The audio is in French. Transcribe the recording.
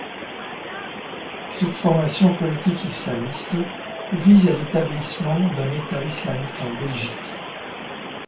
Cette formation politique islamiste vise à l'établissement d'un État islamique en Belgique.